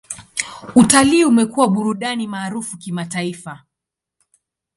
Utalii umekuwa burudani maarufu kimataifa.